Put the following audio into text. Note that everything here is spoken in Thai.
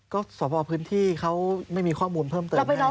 ก็สอบพอพื้นที่เขาไม่มีข้อมูลเพิ่มเติมแน่